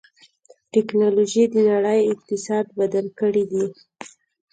ټکنالوجي د نړۍ اقتصاد بدل کړی دی.